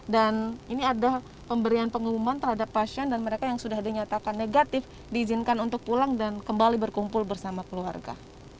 dan ini ada pemberian pengumuman terhadap pasien dan mereka yang sudah dinyatakan negatif diizinkan untuk pulang dan kembali berkumpul bersama keluarga